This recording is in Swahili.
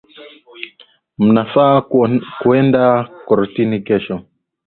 Mnafaa kuenda kortini kesho